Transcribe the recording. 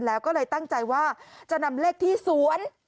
แล้วก็เลยตั้งใจว่าจะนำเลขที่สวน